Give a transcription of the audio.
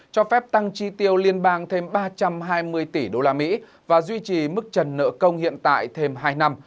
cho phép tăng chi tiêu liên bang thêm ba trăm hai mươi tỷ usd và duy trì mức trần nợ công hiện tại thêm hai năm